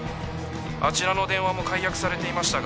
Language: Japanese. ☎あちらの電話も解約されていましたが。